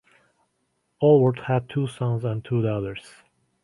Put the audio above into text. Alvord had two sons and two daughters.